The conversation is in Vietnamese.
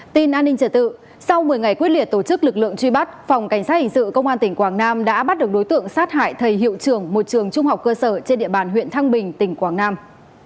tin an ninh trở tự sau một mươi ngày quyết liệt tổ chức lực lượng truy bắt phòng cảnh sát hình sự công an tỉnh quảng nam đã bắt được đối tượng sát hại thầy hiệu trưởng một trường trung học cơ sở trên địa bàn huyện thăng bình tỉnh quảng nam